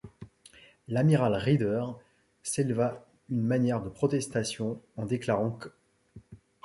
L'amiral Raeder éleva une manière de protestation en déclarant qu'.